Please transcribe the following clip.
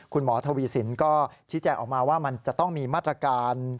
คุณหมอทวีสินก็ชี้แจงออกมาว่ามันจะต้องมีมาตรการ